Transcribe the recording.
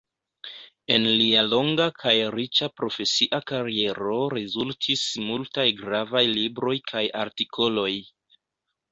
En lia longa kaj riĉa profesia kariero rezultis multaj gravaj libroj kaj artikoloj.